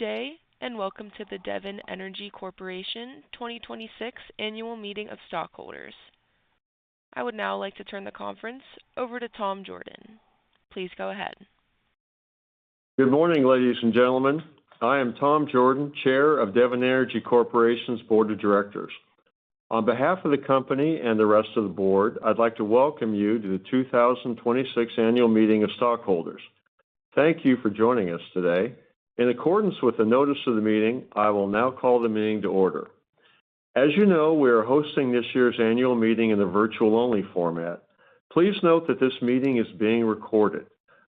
Good day, welcome to the Devon Energy Corporation 2026 Annual Meeting of Stockholders. I would now like to turn the conference over to Tom Jorden. Please go ahead. Good morning, ladies and gentlemen. I am Tom Jorden, Chair of Devon Energy Corporation's Board of Directors. On behalf of the company and the rest of the board, I'd like to welcome you to the 2026 Annual Meeting of Stockholders. Thank you for joining us today. In accordance with the notice of the meeting, I will now call the meeting to order. As you know, we are hosting this year's annual meeting in a virtual-only format. Please note that this meeting is being recorded.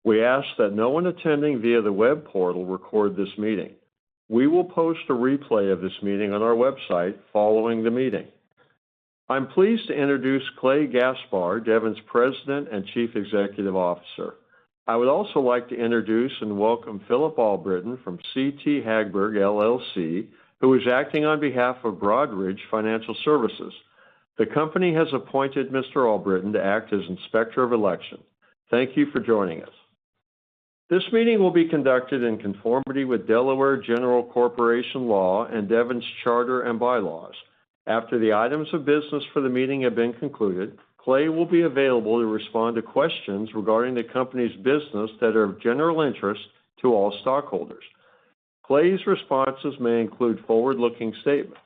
We ask that no one attending via the web portal record this meeting. We will post a replay of this meeting on our website following the meeting. I'm pleased to introduce Clay Gaspar, Devon's President and Chief Executive Officer. I would also like to introduce and welcome Phillip Allbritten from CT Hagberg LLC, who is acting on behalf of Broadridge Financial Services. The company has appointed Mr. Allbritten to act as Inspector of Election. Thank you for joining us. This meeting will be conducted in conformity with Delaware General Corporation Law and Devon's Charter and bylaws. After the items of business for the meeting have been concluded, Clay will be available to respond to questions regarding the company's business that are of general interest to all stockholders. Clay's responses may include forward-looking statements.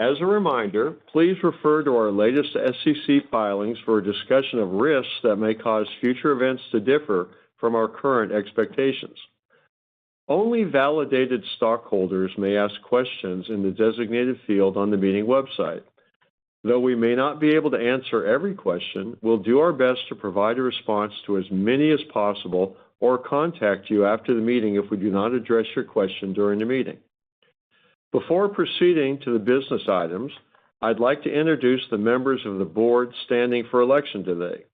As a reminder, please refer to our latest SEC filings for a discussion of risks that may cause future events to differ from our current expectations. Only validated stockholders may ask questions in the designated field on the meeting website. Though we may not be able to answer every question, we'll do our best to provide a response to as many as possible or contact you after the meeting if we do not address your question during the meeting. Before proceeding to the business items, I'd like to introduce the members of the board standing for election today.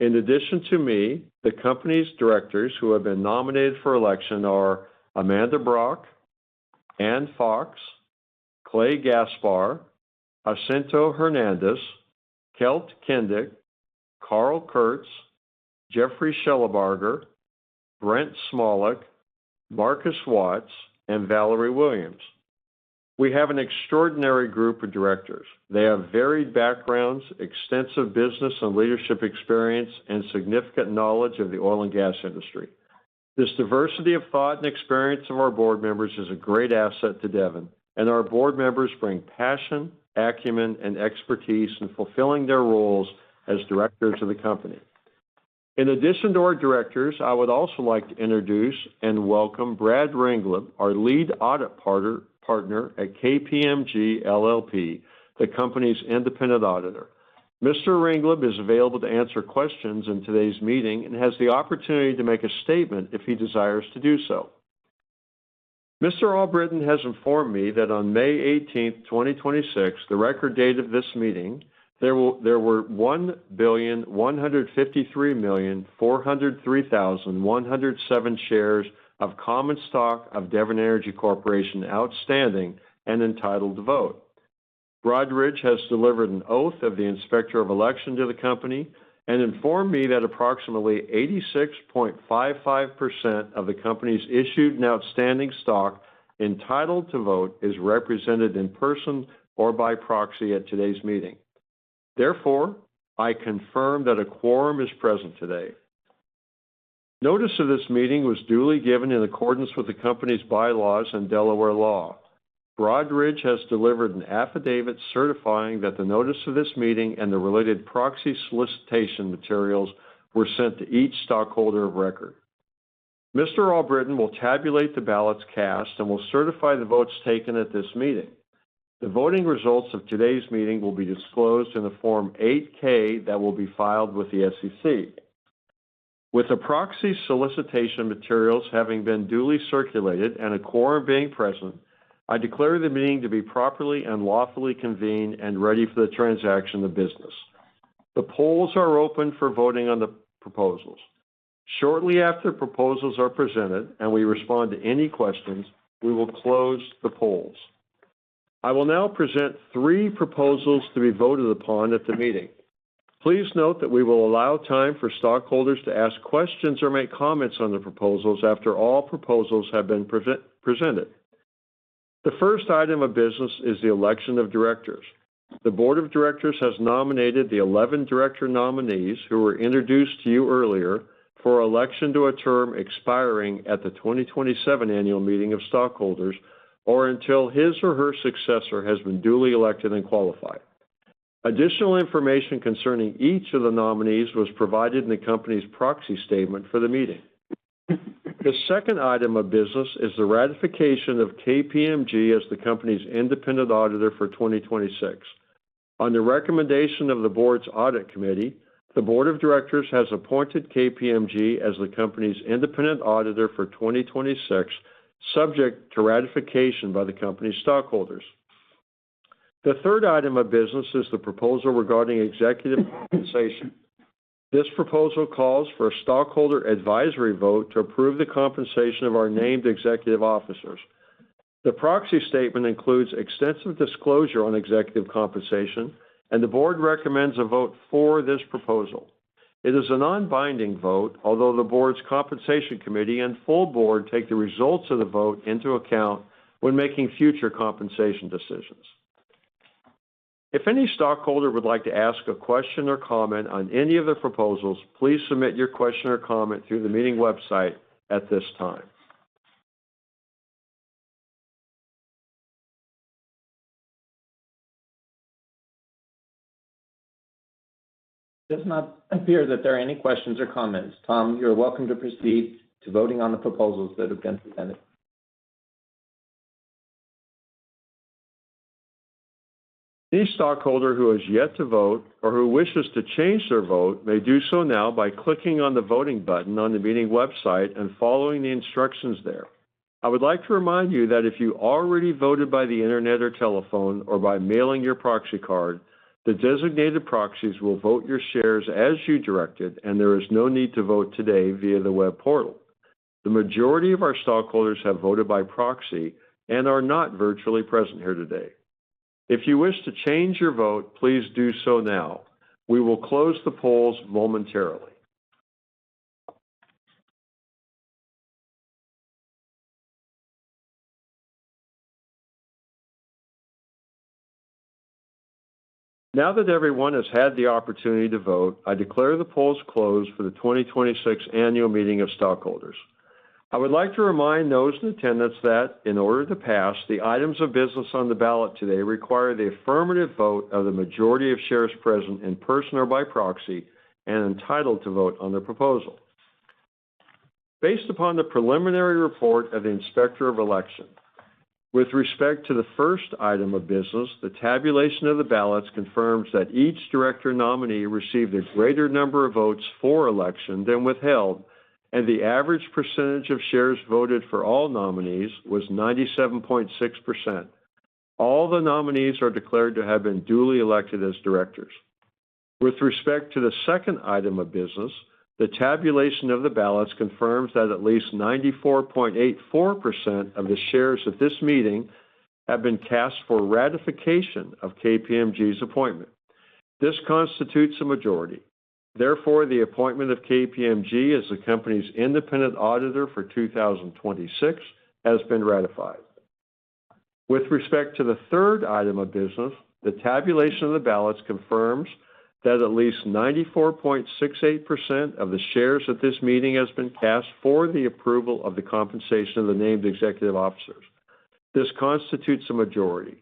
In addition to me, the company's directors who have been nominated for election are Amanda Brock, Ann Fox, Clay Gaspar, Jacinto Hernandez, Kelt Kindick, Karl Kurz, Jeffrey Shellebarger, Brent Smolik, Marcus Watts, and Valerie Williams. We have an extraordinary group of directors. They have varied backgrounds, extensive business and leadership experience, and significant knowledge of the oil and gas industry. This diversity of thought and experience of our board members is a great asset to Devon, and our board members bring passion, acumen, and expertise in fulfilling their roles as directors of the company. In addition to our directors, I would also like to introduce and welcome Brad Ringleb, our Lead Audit Partner at KPMG LLP, the company's independent auditor. Mr. Rangliub is available to answer questions in today's meeting and has the opportunity to make a statement if he desires to do so. Mr. Allbritton has informed me that on May 18th, 2026, the record date of this meeting, there were 1,153,403,107 shares of common stock of Devon Energy Corporation outstanding and entitled to vote. Broadridge has delivered an oath of the Inspector of Election to the company and informed me that approximately 86.55% of the company's issued and outstanding stock entitled to vote is represented in person or by proxy at today's meeting. Therefore, I confirm that a quorum is present today. Notice of this meeting was duly given in accordance with the company's bylaws and Delaware law. Broadridge has delivered an affidavit certifying that the notice of this meeting and the related proxy solicitation materials were sent to each stockholder of record. Mr. Allbritton will tabulate the ballots cast and will certify the votes taken at this meeting. The voting results of today's meeting will be disclosed in a Form 8-K that will be filed with the SEC. With the proxy solicitation materials having been duly circulated and a quorum being present, I declare the meeting to be properly and lawfully convened and ready for the transaction of business. The polls are open for voting on the proposals. Shortly after proposals are presented and we respond to any questions, we will close the polls. I will now present three proposals to be voted upon at the meeting. Please note that we will allow time for stockholders to ask questions or make comments on the proposals after all proposals have been presented. The first item of business is the election of directors. The board of directors has nominated the 11 director nominees who were introduced to you earlier for election to a term expiring at the 2027 Annual Meeting of Stockholders, or until his or her successor has been duly elected and qualified. Additional information concerning each of the nominees was provided in the company's proxy statement for the meeting. The second item of business is the ratification of KPMG as the company's independent auditor for 2026. On the recommendation of the board's Audit Committee, the board of directors has appointed KPMG as the company's independent auditor for 2026, subject to ratification by the company's stockholders. The third item of business is the proposal regarding executive compensation. This proposal calls for a stockholder advisory vote to approve the compensation of our named executive officers. The proxy statement includes extensive disclosure on executive compensation, and the board recommends a vote for this proposal. It is a non-binding vote, although the board's compensation committee and full board take the results of the vote into account when making future compensation decisions. If any stockholder would like to ask a question or comment on any of the proposals, please submit your question or comment through the meeting website at this time. It does not appear that there are any questions or comments. Tom, you're welcome to proceed to voting on the proposals that have been presented. Any stockholder who has yet to vote or who wishes to change their vote may do so now by clicking on the voting button on the meeting website and following the instructions there. I would like to remind you that if you already voted by the internet or telephone or by mailing your proxy card, the designated proxies will vote your shares as you directed, and there is no need to vote today via the web portal. The majority of our stockholders have voted by proxy and are not virtually present here today. If you wish to change your vote, please do so now. We will close the polls momentarily. Now that everyone has had the opportunity to vote, I declare the polls closed for the 2026 annual meeting of stockholders. I would like to remind those in attendance that in order to pass, the items of business on the ballot today require the affirmative vote of the majority of shares present in person or by proxy and entitled to vote on the proposal. Based upon the preliminary report of the Inspector of Election, with respect to the first item of business, the tabulation of the ballots confirms that each director nominee received a greater number of votes for election than withheld, and the average percentage of shares voted for all nominees was 97.6%. All the nominees are declared to have been duly elected as directors. With respect to the second item of business, the tabulation of the ballots confirms that at least 94.84% of the shares at this meeting have been cast for ratification of KPMG's appointment. This constitutes a majority. Therefore, the appointment of KPMG as the company's independent auditor for 2026 has been ratified. With respect to the third item of business, the tabulation of the ballots confirms that at least 94.68% of the shares at this meeting has been cast for the approval of the compensation of the named executive officers. This constitutes a majority.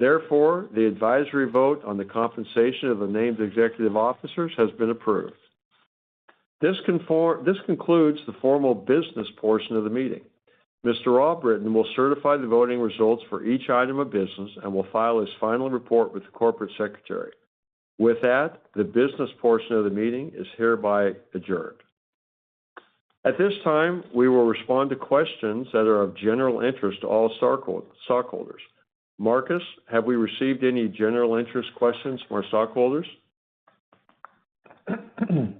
Therefore, the advisory vote on the compensation of the named executive officers has been approved. This concludes the formal business portion of the meeting. Mr. Allbritten will certify the voting results for each item of business and will file his final report with the corporate secretary. With that, the business portion of the meeting is hereby adjourned. At this time, we will respond to questions that are of general interest to all stockholders. Marcus, have we received any general interest questions from our stockholders? Tom,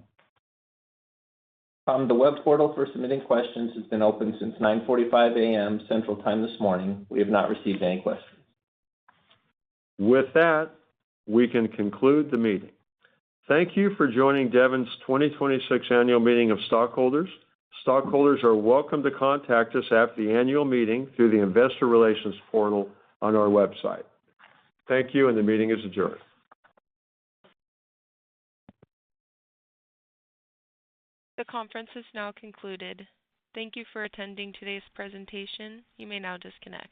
the web portal for submitting questions has been open since 9:45 A.M. Central Time this morning. We have not received any questions. With that, we can conclude the meeting. Thank you for joining Devon's 2026 annual meeting of stockholders. Stockholders are welcome to contact us after the annual meeting through the investor relations portal on our website. Thank you. The meeting is adjourned. The conference is now concluded. Thank you for attending today's presentation. You may now disconnect.